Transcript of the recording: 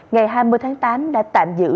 ngày hai mươi tháng tám đã tạm giữ